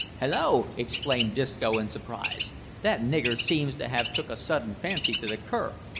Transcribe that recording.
"Hallo!" exclaimed Disco in surprise; "that nigger seems to have took a sudden fancy to the cur?